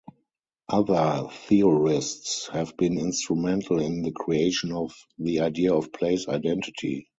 Other theorists have been instrumental in the creation of the idea of place identity.